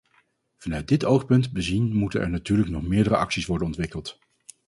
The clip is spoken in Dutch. Vanuit dit oogpunt bezien moeten er natuurlijk nog meerdere acties worden ontwikkeld.